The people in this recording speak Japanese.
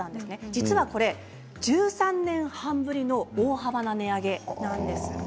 実は、これ１３年半ぶりの大幅な値上げなんです。